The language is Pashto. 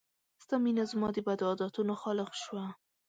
ستا مينه زما د بدو عادتونو خالق شوه